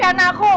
eh cari anakku